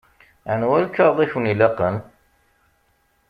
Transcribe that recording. Anwa lkaɣeḍ i ken-ilaqen?